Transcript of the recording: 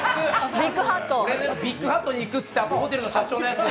ビッグハットに行くっていってアパホテルの社長。